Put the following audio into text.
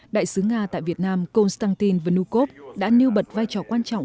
đại sứ nga tại việt nam konstantin vnukov đã nêu bật vai trò quan trọng